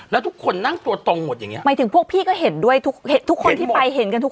แล้วทุกคนนั่งตัวตรงหมดอย่างเงี้หมายถึงพวกพี่ก็เห็นด้วยทุกทุกคนที่ไปเห็นกันทุก